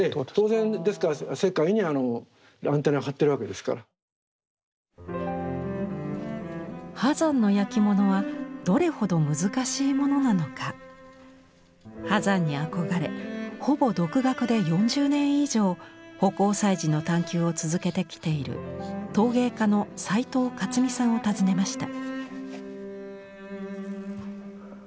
当然ですから世界にアンテナを張ってるわけですから。波山のやきものはどれほど難しいものなのか。波山に憧れほぼ独学で４０年以上葆光彩磁の探求を続けてきている陶芸家の齊藤勝美さんを訪ねました。